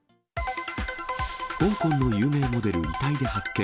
香港の有名モデル、遺体で発見。